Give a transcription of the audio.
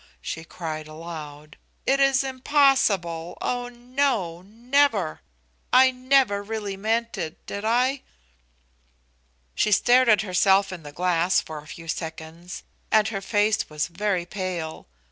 she cried aloud. "It is impossible; oh no! never! I never really meant it; did I?" She stared at herself in the glass for a few seconds, and her face was very pale.